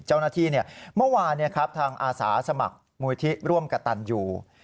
เจ้าหน้าที่เนี่ยเมื่อวานเนี่ยครับทางอาสาสมัครมูลที่ร่วมกับตันอยู่